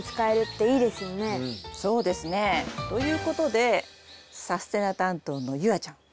そうですね。ということでさすてな担当の夕空ちゃん。